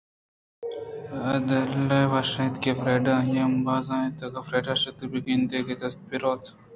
آدل ءَ وش اَت کہ فریڈا آئی ءِ امبازان اِنت اگاں فریڈا شت گُڑا بہ گندے آئی ءِ دست ءَ بہ روت اِنت